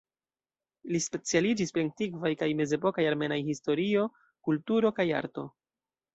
Li specialiĝis pri antikvaj kaj mezepokaj armenaj historio, kulturo kaj arto.